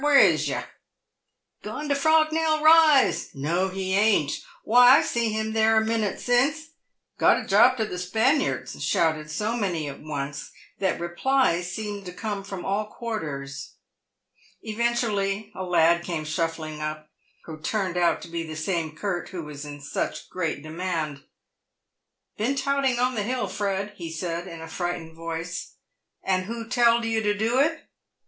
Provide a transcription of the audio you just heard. "Where is yer ?"" Gone to Frognell Eise"— •" No he ain't"—" Why I see him there a minute since" —* Got a job to the Spaniards," shouted so many at once, that replies seemed to come from all quarters. Eventually, a lad came shuffling up, who turned out to be the same Curt who was in such great demand. " Been touting on the hill, Fred 7 " he said, in a frightened voice. "And who telled you to do it